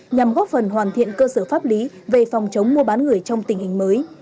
nhằm góp phần hoàn thiện cơ sở pháp lý về phòng chống mua bán người trong tình hình mới